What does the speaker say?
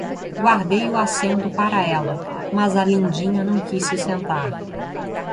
Guardei o assento para ela, mas a lindinha não quis se sentar.